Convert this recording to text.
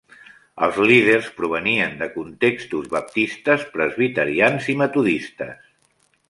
Els líders provenien de contextos baptistes, presbiterians i metodistes.